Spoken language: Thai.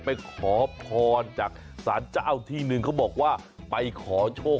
ไปขอพรจากสารเจ้าที่หนึ่งเขาบอกว่าไปขอโชค